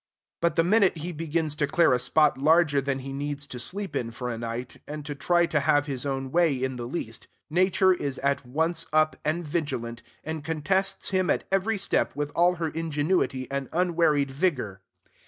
But the minute he begins to clear a spot larger than he needs to sleep in for a night, and to try to have his own way in the least, Nature is at once up, and vigilant, and contests him at every step with all her ingenuity and unwearied vigor.